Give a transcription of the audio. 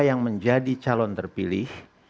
yang menjadi calon terpilih